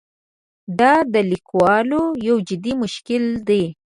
دا د لیکوالو یو جدي مشکل دی.